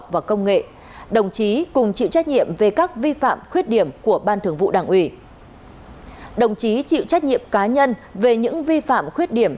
về những vi phạm khuyết điểm của ban thường vụ đảng ủy chịu trách nhiệm về những vi phạm khuyết điểm